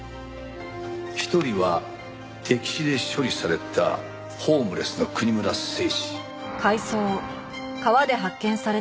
一人は溺死で処理されたホームレスの国村誠司。